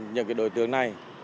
những đối tượng này